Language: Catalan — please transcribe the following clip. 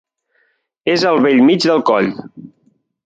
És al bell mig del coll.